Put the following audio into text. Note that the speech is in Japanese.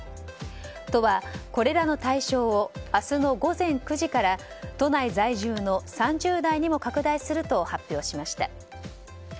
都はこれらの対象を明日の午前９時から都内在住の３０代にも拡大すると発表しました。